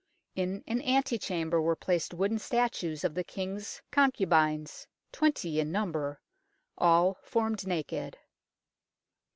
In an ante chamber were placed wooden statues of the King's concubines, twenty in number, all formed naked.